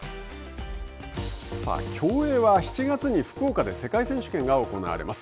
競泳は７月に福岡で世界選手権が行われます。